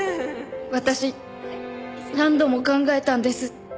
私何度も考えたんです。